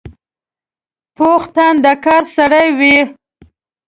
پوخ تن د کار سړی وي